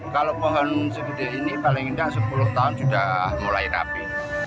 kalau pohon seperti ini paling tidak sepuluh tahun sudah mulai rapi